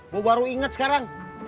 gue baru inget sekarang